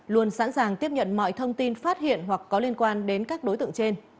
luôn sẵn sàng tiếp nhận mọi thông tin phát hiện hoặc có liên quan đến các đối tượng trên